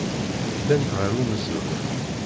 Ddant ɣer uneẓruf.